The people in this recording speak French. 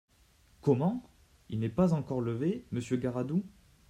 Comment ! il n’est pas encore levé, Monsieur Garadoux ?